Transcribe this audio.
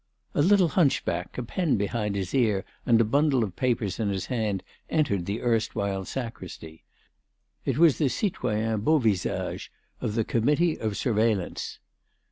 A little hunchback, a pen behind his ear and a bundle of papers in his hand, entered the erstwhile sacristy. It was the citoyen Beauvisage, of the Committee of Surveillance.